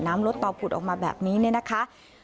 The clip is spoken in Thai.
รถต่อผุดออกมาแบบนี้เนี่ยนะคะ